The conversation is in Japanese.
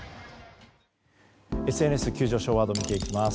ＳＮＳ急上昇ワードを見ていきます。